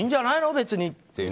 別にって。